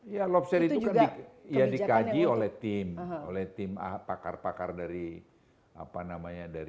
iya lobster itu kan dikaji oleh tim pakar pakar dari ipb dari mana saya lihat